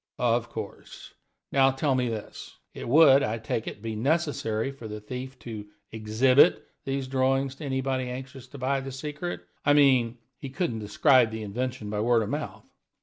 "Of course. Now tell me this: It would, I take it, be necessary for the thief to exhibit these drawings to anybody anxious to buy the secret I mean, he couldn't describe the invention by word of mouth."